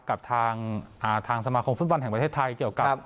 กับทางสมาคมฟุตบอลแห่งประเทศไทยเกี่ยวกับ